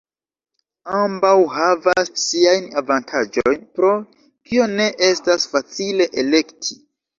Ambaŭ havas siajn avantaĝojn, pro kio ne estas facile elekti.